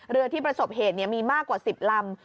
เรือที่ประสบเหตุมีมากกว่า๑๐ลำ